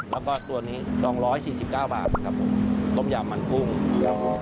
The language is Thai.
แล้วก็ตัวนี้๒๔๙บาทครับผมต้มหย่ามรามันกุ้งครับผม